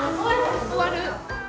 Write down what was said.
終わる。